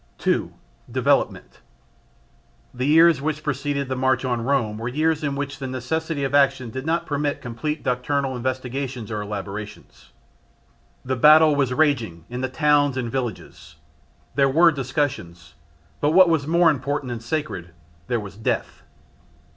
2. Development. The years which preceded the March on Rome were years in which the necessity of action did not permit complete doctrinal investigations or elaborations. The battle was raging in the towns and villages. There were discussions, but what was more important and sacred there was death.